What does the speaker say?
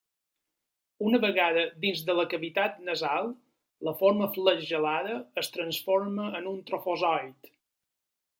Una vegada dins de la cavitat nasal, la forma flagel·lada es transforma en un trofozoït.